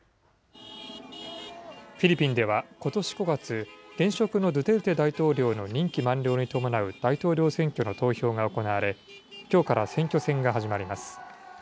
フィリピンでは、ことし５月、現職のドゥテルテ大統領の任期満了に伴う大統領選挙の投票が行われ、きょうから選挙戦が始まります。